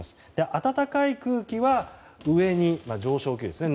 暖かい空気は上に上昇気流ですね。